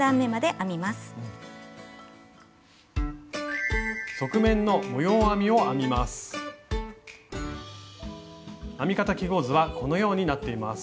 編み方記号図はこのようになっています。